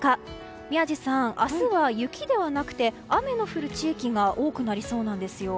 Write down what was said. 宮司さん、明日は雪ではなくて雨の降る地域が多くなりそうなんですよ。